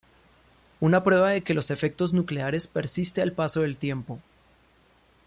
Una prueba de que los efectos nucleares persiste al paso del tiempo.